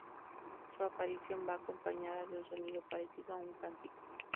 Su aparición va acompañada de un sonido parecido a un cántico.